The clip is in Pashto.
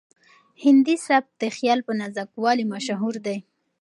هندي سبک د خیال په نازکوالي مشهور دی.